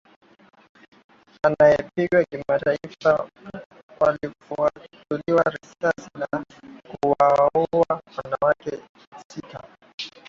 anayepigwa kimataifa waliwafiatulia risasi na kuwaua wanawake sita